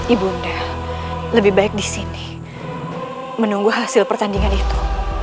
ibunda lebih baik di sini menunggu hasil pertandingan itu